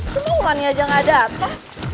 semua ulannya aja nggak ada apa